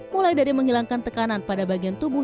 mulai dari menghilangkan tekanan pada bagian tubuh